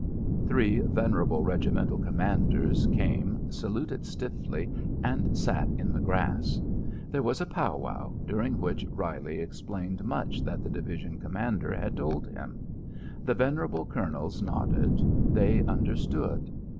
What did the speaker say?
Three venerable regimental commanders came, saluted stiffly and sat in the grass. There was a pow wow, during which Reilly explained much that the Division Commander had told him. The venerable Colonels nodded; they understood.